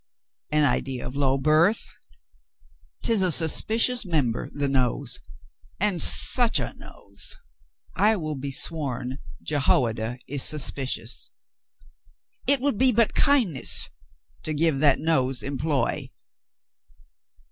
"An idea of low birth." " 'Tis a suspicious member, the nose. And such a nose! I will be sworn Jehoiada is suspicious. It would be but kindness to give that nose employ.